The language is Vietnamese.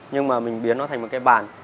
nhưng mà mình biến nó thành một cái bàn